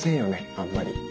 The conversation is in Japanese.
あんまり。